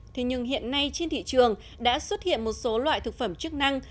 thế nhưng hiện nay trên thị trường đã xuất hiện một số loại thực phẩm chức năng